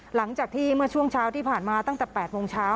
หลังจากที่เมื่อช่วงเช้าที่ผ่านมาตั้งแต่๘โมงเช้า